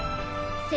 せ